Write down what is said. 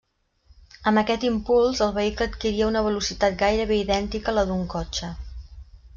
Amb aquest impuls, el vehicle adquiria una velocitat gairebé idèntica a la d'un cotxe.